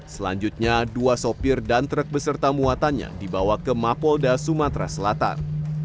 selanjutnya dua sopir dan truk beserta muatannya dibawa ke mapolda sumatera selatan